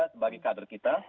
sebagai kader kita